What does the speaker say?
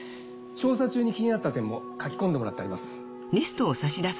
調査中に気になった点も書き込んでもらってあります。